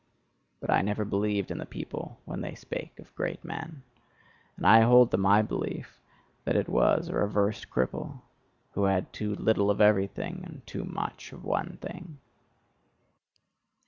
But I never believed in the people when they spake of great men and I hold to my belief that it was a reversed cripple, who had too little of everything, and too much of one thing.